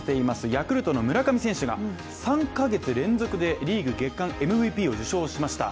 ヤクルトの村上選手が３か月連続でリーグ月間ＭＶＰを受賞しました。